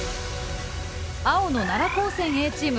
青の奈良高専Ａチーム。